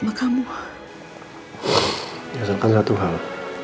gak akan pernah lihat